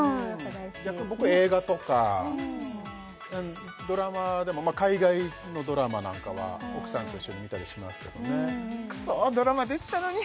逆に僕は映画とかドラマでも海外のドラマなんかは奥さんと一緒に見たりしますけどねくそドラマ出てたのに！